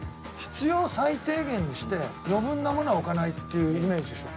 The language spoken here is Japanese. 必要最低限にして余分なものは置かないっていうイメージ。